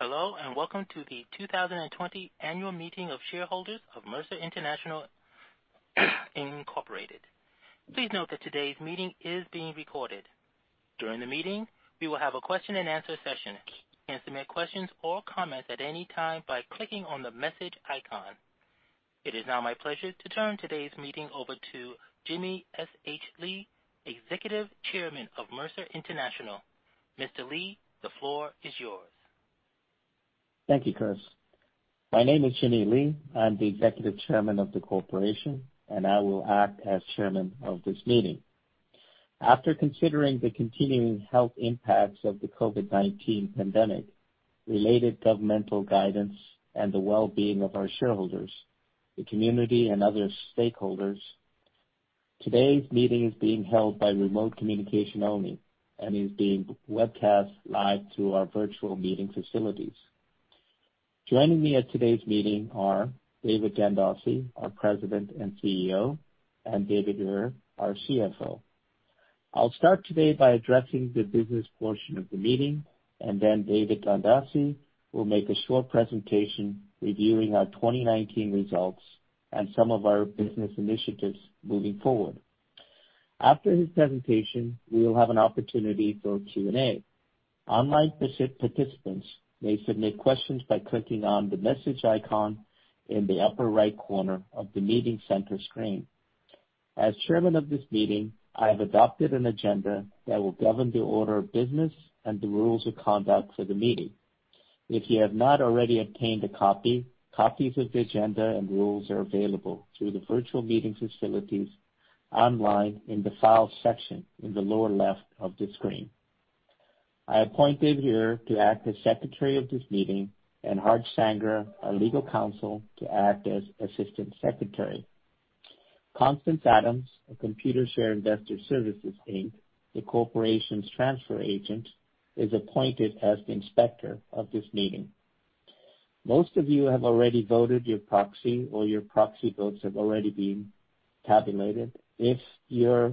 Hello, and welcome to the 2020 Annual Meeting of Shareholders of Mercer International Incorporated. Please note that today's meeting is being recorded. During the meeting, we will have a question-and-answer session. You can submit questions or comments at any time by clicking on the message icon. It is now my pleasure to turn today's meeting over to Jimmy S. H. Lee, Executive Chairman of Mercer International. Mr. Lee, the floor is yours. Thank you, Chris. My name is Jimmy Lee. I'm the Executive Chairman of the corporation, and I will act as Chairman of this meeting. After considering the continuing health impacts of the COVID-19 pandemic, related governmental guidance, and the well-being of our shareholders, the community, and other stakeholders, today's meeting is being held by remote communication only and is being webcast live to our virtual meeting facilities. Joining me at today's meeting are David Gandossi, our President and CEO, and David Ure, our CFO. I'll start today by addressing the business portion of the meeting, and then David Gandossi will make a short presentation reviewing our 2019 results and some of our business initiatives moving forward. After his presentation, we will have an opportunity for Q&A. Online participants may submit questions by clicking on the message icon in the upper right corner of the meeting center screen. As Chairman of this meeting, I have adopted an agenda that will govern the order of business and the rules of conduct for the meeting. If you have not already obtained a copy, copies of the agenda and rules are available through the virtual meeting facilities online in the Files section in the lower left of the screen. I appointed Ure to act as Secretary of this meeting and Harj Sangra, our legal counsel, to act as Assistant Secretary. Constance Adams, of Computershare Investor Services Inc., the corporation's transfer agent, is appointed as the Inspector of this meeting. Most of you have already voted your proxy or your proxy votes have already been tabulated. If you're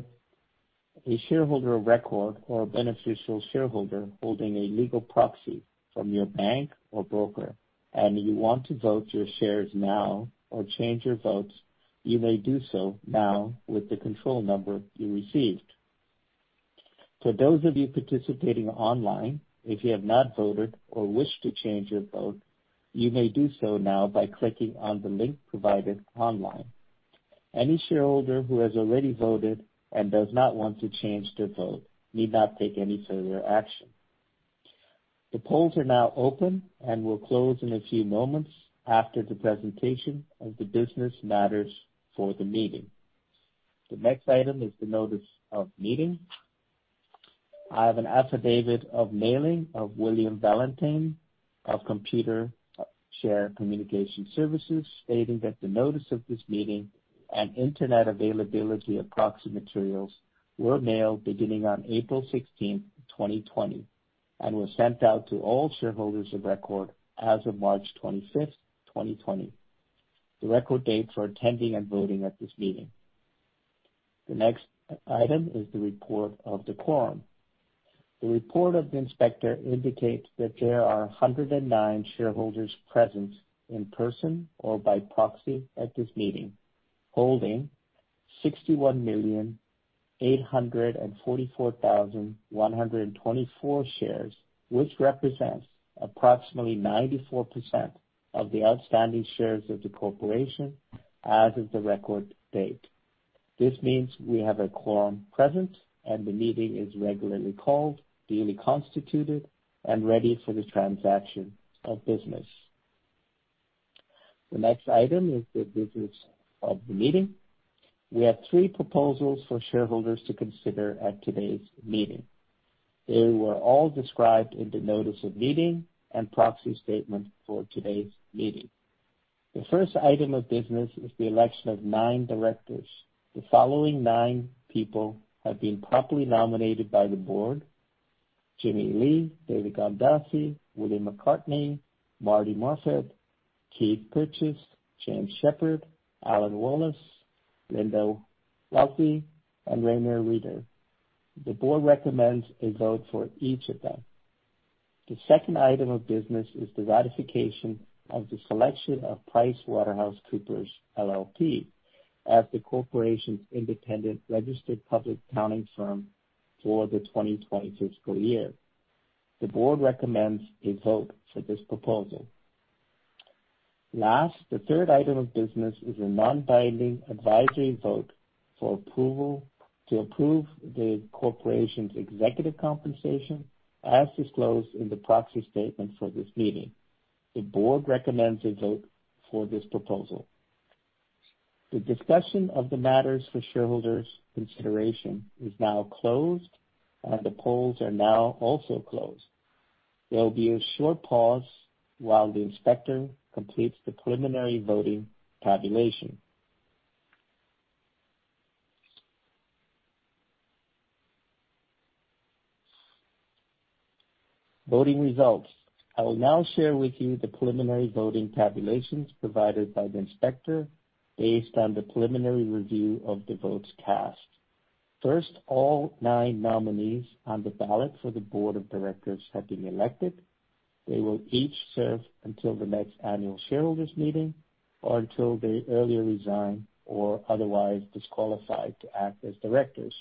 a shareholder of record or a beneficial shareholder holding a legal proxy from your bank or broker and you want to vote your shares now or change your votes, you may do so now with the control number you received. For those of you participating online, if you have not voted or wish to change your vote, you may do so now by clicking on the link provided online. Any shareholder who has already voted and does not want to change their vote need not take any further action. The polls are now open and will close in a few moments after the presentation of the business matters for the meeting. The next item is the notice of meeting. I have an affidavit of mailing of William Valentine of Computershare Communication Services stating that the notice of this meeting and internet availability of proxy materials were mailed beginning on April 16, 2020, and were sent out to all shareholders of record as of March 25, 2020. The record date is for attending and voting at this meeting. The next item is the report of the quorum. The report of the Inspector indicates that there are 109 shareholders present in person or by proxy at this meeting, holding 61,844,124 shares, which represents approximately 94% of the outstanding shares of the corporation as of the record date. This means we have a quorum present and the meeting is regularly called, duly constituted, and ready for the transaction of business. The next item is the business of the meeting. We have three proposals for shareholders to consider at today's meeting. They were all described in the notice of meeting and proxy statement for today's meeting. The first item of business is the election of nine directors. The following nine people have been properly nominated by the board: Jimmy Lee, David Gandossi, William McCartney, Marti Morfitt, Keith Purchase, James Shepherd, Alan Wallace, Linda Welty, and Rainer Rettig. The board recommends a vote for each of them. The second item of business is the ratification of the selection of PricewaterhouseCoopers LLP as the corporation's independent registered public accounting firm for the 2020 fiscal year. The board recommends a vote for this proposal. Last, the third item of business is a non-binding advisory vote for approval to approve the corporation's executive compensation as disclosed in the proxy statement for this meeting. The board recommends a vote for this proposal. The discussion of the matters for shareholders' consideration is now closed, and the polls are now also closed. There will be a short pause while the Inspector completes the preliminary voting tabulation. Voting results. I will now share with you the preliminary voting tabulations provided by the Inspector based on the preliminary review of the votes cast. First, all nine nominees on the ballot for the board of directors have been elected. They will each serve until the next annual shareholders' meeting or until they earlier resign or otherwise disqualify to act as directors.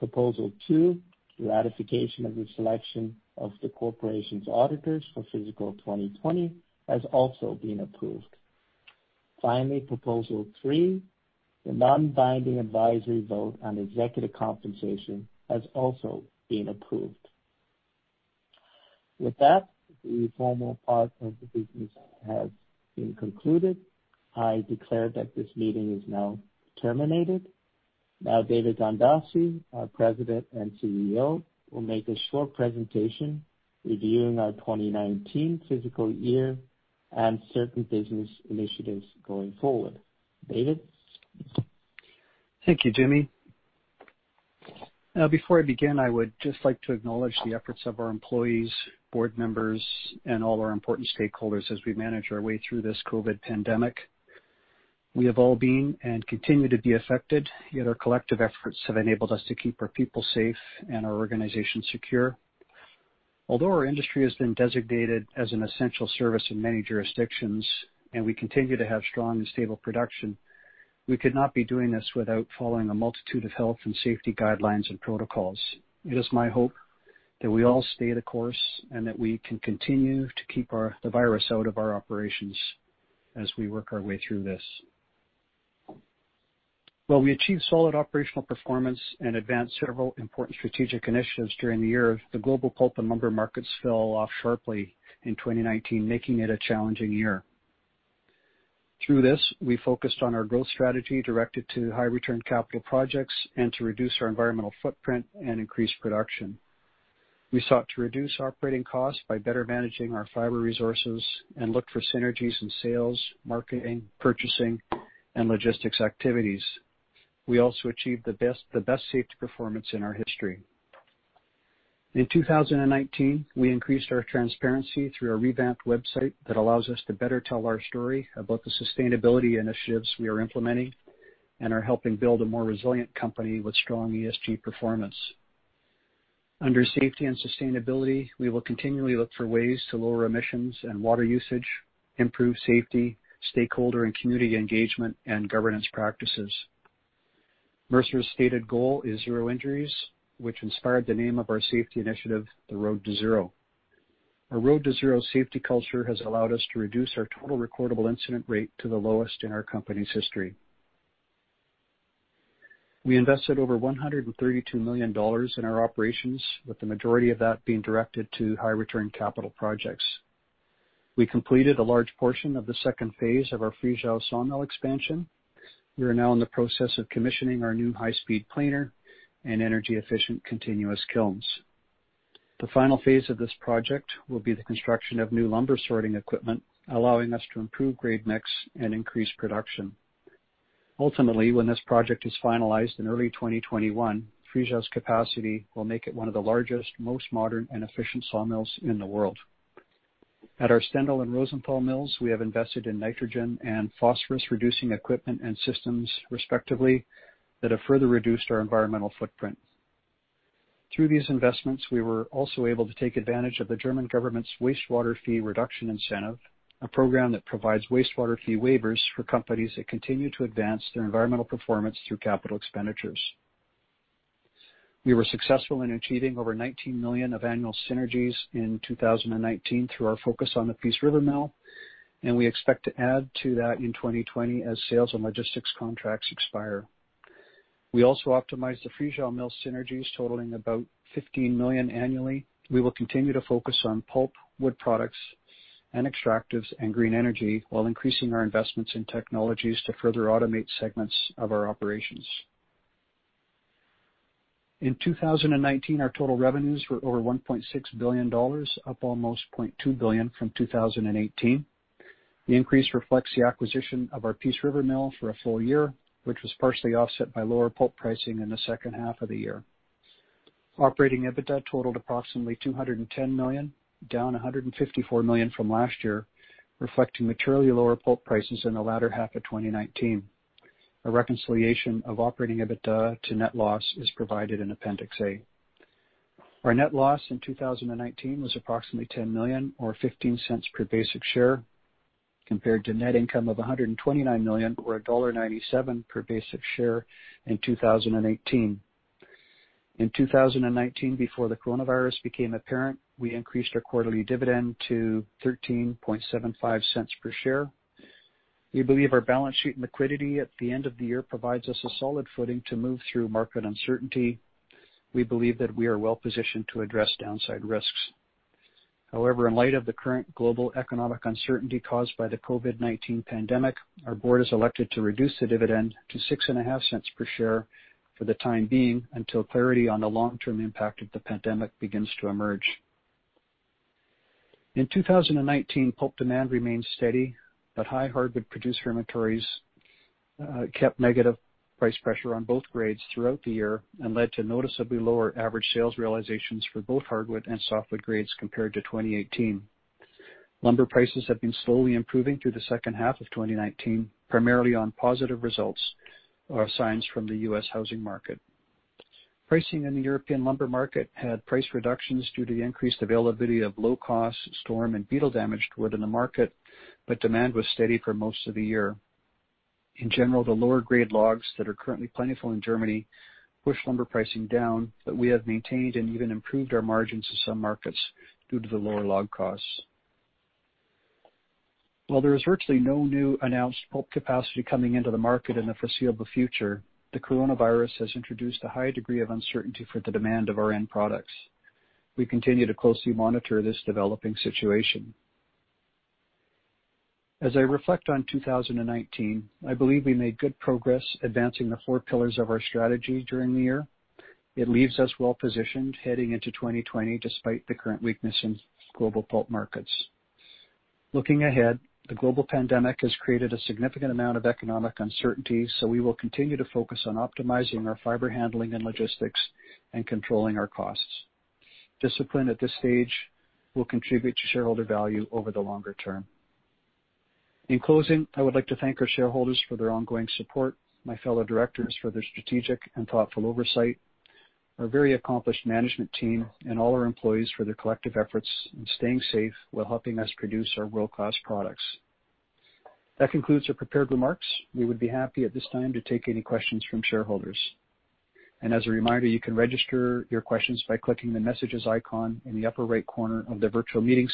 Proposal two, the ratification of the selection of the corporation's auditors for fiscal 2020, has also been approved. Finally, proposal three, the non-binding advisory vote on executive compensation has also been approved. With that, the formal part of the business has been concluded. I declare that this meeting is now terminated. Now, David Gandossi, our President and CEO, will make a short presentation reviewing our 2019 fiscal year and certain business initiatives going forward. David? Thank you, Jimmy. Now, before I begin, I would just like to acknowledge the efforts of our employees, board members, and all our important stakeholders as we manage our way through this COVID-19 pandemic. We have all been and continue to be affected, yet our collective efforts have enabled us to keep our people safe and our organization secure. Although our industry has been designated as an essential service in many jurisdictions and we continue to have strong and stable production, we could not be doing this without following a multitude of health and safety guidelines and protocols. It is my hope that we all stay the course and that we can continue to keep the virus out of our operations as we work our way through this. While we achieved solid operational performance and advanced several important strategic initiatives during the year, the global pulp and lumber markets fell off sharply in 2019, making it a challenging year. Through this, we focused on our growth strategy directed to high-return capital projects and to reduce our environmental footprint and increase production. We sought to reduce operating costs by better managing our fiber resources and looked for synergies in sales, marketing, purchasing, and logistics activities. We also achieved the best safety performance in our history. In 2019, we increased our transparency through a revamped website that allows us to better tell our story about the sustainability initiatives we are implementing and are helping build a more resilient company with strong ESG performance. Under safety and sustainability, we will continually look for ways to lower emissions and water usage, improve safety, stakeholder and community engagement, and governance practices. Mercer's stated goal is zero injuries, which inspired the name of our safety initiative, the Road to Zero. Our Road to Zero safety culture has allowed us to reduce our total recordable incident rate to the lowest in our company's history. We invested over $132 million in our operations, with the majority of that being directed to high-return capital projects. We completed a large portion of the second phase of our Friesau sawmill expansion. We are now in the process of commissioning our new high-speed planer and energy-efficient continuous kilns. The final phase of this project will be the construction of new lumber sorting equipment, allowing us to improve grade mix and increase production. Ultimately, when this project is finalized in early 2021, Friesau's capacity will make it one of the largest, most modern, and efficient sawmills in the world. At our Stendal and Rosenthal mills, we have invested in nitrogen and phosphorus-reducing equipment and systems, respectively, that have further reduced our environmental footprint. Through these investments, we were also able to take advantage of the German government's wastewater fee reduction incentive, a program that provides wastewater fee waivers for companies that continue to advance their environmental performance through capital expenditures. We were successful in achieving over $19 million of annual synergies in 2019 through our focus on the Peace River mill, and we expect to add to that in 2020 as sales and logistics contracts expire. We also optimized the Friesau mill synergies, totaling about $15 million annually. We will continue to focus on pulp, wood products, and extractives, and green energy while increasing our investments in technologies to further automate segments of our operations. In 2019, our total revenues were over $1.6 billion, up almost $0.2 billion from 2018. The increase reflects the acquisition of our Peace River mill for a full year, which was partially offset by lower pulp pricing in the second half of the year. Operating EBITDA totaled approximately $210 million, down $154 million from last year, reflecting materially lower pulp prices in the latter half of 2019. A reconciliation of operating EBITDA to net loss is provided in Appendix A. Our net loss in 2019 was approximately $10.00, or $0.15 per basic share, compared to net income of $129.00, or $1.97 per basic share in 2018. In 2019, before the coronavirus became apparent, we increased our quarterly dividend to $13.75 per share. We believe our balance sheet and liquidity at the end of the year provides us a solid footing to move through market uncertainty. We believe that we are well positioned to address downside risks. However, in light of the current global economic uncertainty caused by the COVID-19 pandemic, our board has elected to reduce the dividend to $0.65 per share for the time being until clarity on the long-term impact of the pandemic begins to emerge. In 2019, pulp demand remained steady, but high hardwood producer inventories kept negative price pressure on both grades throughout the year and led to noticeably lower average sales realizations for both hardwood and softwood grades compared to 2018. Lumber prices have been slowly improving through the second half of 2019, primarily on positive results or signs from the U.S. housing market. Pricing in the European lumber market had price reductions due to the increased availability of low-cost storm and beetle damage to wood in the market, but demand was steady for most of the year. In general, the lower-grade logs that are currently plentiful in Germany push lumber pricing down, but we have maintained and even improved our margins in some markets due to the lower log costs. While there is virtually no new announced pulp capacity coming into the market in the foreseeable future, the coronavirus has introduced a high degree of uncertainty for the demand of our end products. We continue to closely monitor this developing situation. As I reflect on 2019, I believe we made good progress advancing the four pillars of our strategy during the year. It leaves us well positioned heading into 2020 despite the current weakness in global pulp markets. Looking ahead, the global pandemic has created a significant amount of economic uncertainty, so we will continue to focus on optimizing our fiber handling and logistics and controlling our costs. Discipline at this stage will contribute to shareholder value over the longer term. In closing, I would like to thank our shareholders for their ongoing support, my fellow directors for their strategic and thoughtful oversight, our very accomplished management team, and all our employees for their collective efforts in staying safe while helping us produce our world-class products. That concludes our prepared remarks. We would be happy at this time to take any questions from shareholders, and as a reminder, you can register your questions by clicking the messages icon in the upper right corner of the virtual meeting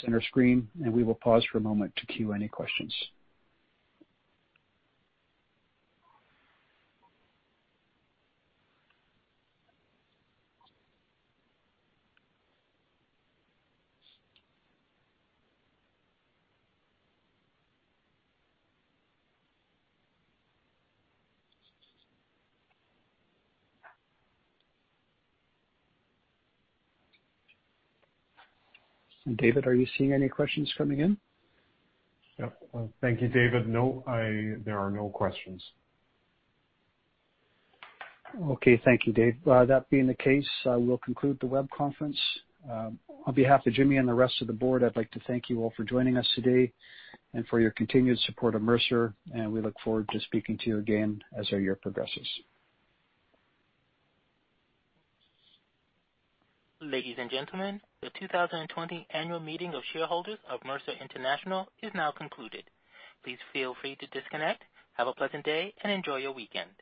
center screen, and we will pause for a moment to queue any questions. David, are you seeing any questions coming in? Thank you, David. No, there are no questions. Okay. Thank you, David. That being the case, I will conclude the web conference. On behalf of Jimmy and the rest of the board, I'd like to thank you all for joining us today and for your continued support of Mercer, and we look forward to speaking to you again as our year progresses. Ladies and gentlemen, the 2020 annual meeting of shareholders of Mercer International is now concluded. Please feel free to disconnect. Have a pleasant day and enjoy your weekend.